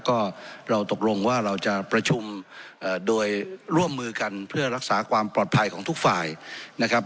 ก็เราตกลงว่าเราจะประชุมโดยร่วมมือกันเพื่อรักษาความปลอดภัยของทุกฝ่ายนะครับ